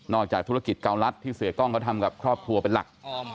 จากธุรกิจเกาลัดที่เสียกล้องเขาทำกับครอบครัวเป็นหลัก